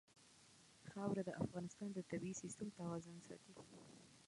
خاوره د افغانستان د طبعي سیسټم توازن ساتي.